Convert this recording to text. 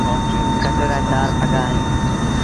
کٽ رآ چآر پآڳآ اهيݩ۔